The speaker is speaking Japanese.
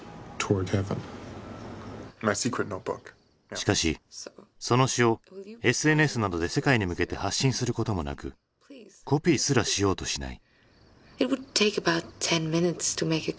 しかしその詩をＳＮＳなどで世界に向けて発信することもなくコピーすらしようとしない。